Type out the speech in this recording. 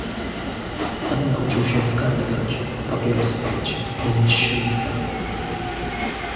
"Tam nauczył się w karty grać, papierosy palić, mówić świństwa."